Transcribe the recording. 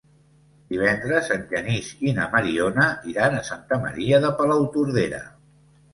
Divendres en Genís i na Mariona iran a Santa Maria de Palautordera.